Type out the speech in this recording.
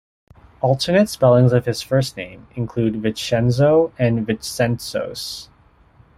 Alternate spellings of his first name include Vicenzo and Vitzentzos.